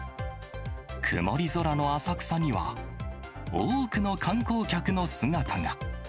曇り空の浅草には、多くの観光客の姿が。